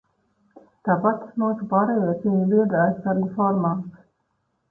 Tāpat mūsu pārējie cīņu biedri aizsargu formās.